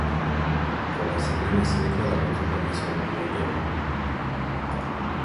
Кога се нема среќа работата не се одвива добро.